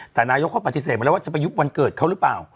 แต่นายกเขาปฏิเสธมาแล้วว่าจะไปยุบวันเกิดเขาหรือเปล่า